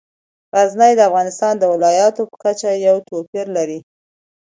غزني د افغانستان د ولایاتو په کچه یو توپیر لري.